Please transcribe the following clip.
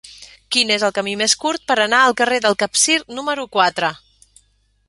Quin és el camí més curt per anar al carrer del Capcir número quatre?